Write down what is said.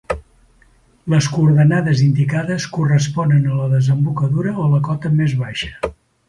Les coordenades indicades corresponen a la desembocadura o la cota més baixa.